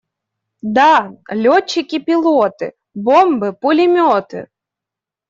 Да! Летчики-пилоты! Бомбы-пулеметы!